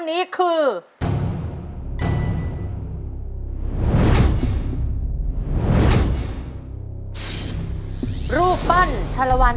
น้องบีมเลือกตอบตัวเลือกไหนครับ